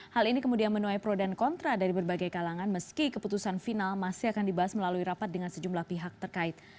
hal ini kemudian menuai pro dan kontra dari berbagai kalangan meski keputusan final masih akan dibahas melalui rapat dengan sejumlah pihak terkait